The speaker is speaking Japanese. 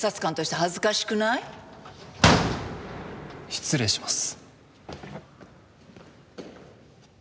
失礼します。